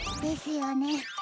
ですよね。